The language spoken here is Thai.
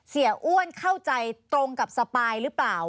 อ้วนเข้าใจตรงกับสปายหรือเปล่า